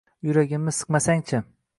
Yuragimni siqmasangchi!